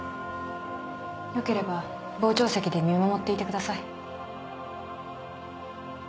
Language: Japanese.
よければ傍聴席で見守っていてください。